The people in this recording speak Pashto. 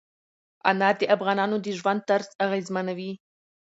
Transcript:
انار د افغانانو د ژوند طرز اغېزمنوي.